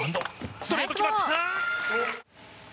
ストレート、決まった！